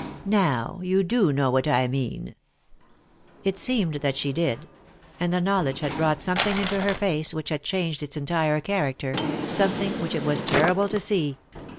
Now, you do know what I mean." It seemed that she did. And the knowledge had brought something into her nice which had changed its entire character, something which it was terrible to see.